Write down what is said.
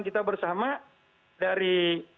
kita bersama dari